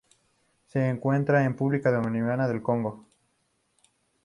Se encuentra en República Democrática del Congo.